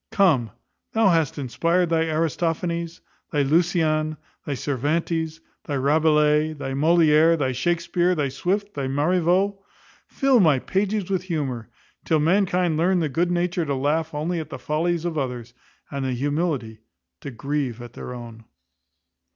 Come, thou that hast inspired thy Aristophanes, thy Lucian, thy Cervantes, thy Rabelais, thy Molière, thy Shakespear, thy Swift, thy Marivaux, fill my pages with humour; till mankind learn the good nature to laugh only at the follies of others, and the humility to grieve at their own.